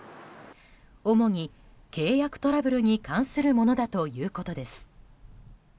主に契約トラブルに関するものだということです。